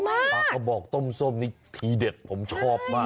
ปลากระบอกต้มส้มนี่ทีเด็ดผมชอบมาก